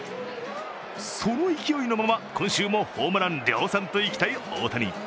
その勢いのまま、今週もホームラン量産といきたい大谷。